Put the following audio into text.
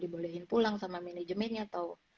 dibolehin pulang sama manajemennya atau